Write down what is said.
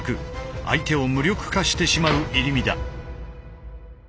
相手を無力化してしまう入身だ。